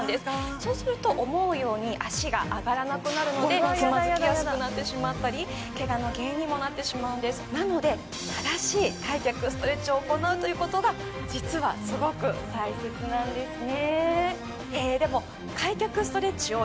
そうすると思うように足が上がらなくなるのでつまずきやすくなってしまったりケガの原因にもなってしまうんですなので正しい開脚ストレッチを行うということが実はすごく大切なんですね